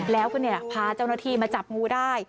แล้วก็พาเจ้าหน้าที่มาจับงูได้